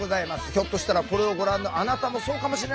ひょっとしたらこれをご覧のあなたもそうかもしれない！